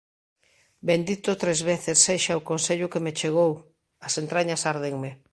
Bendito tres veces sexa o consello que me chegou! –As entrañas árdenme.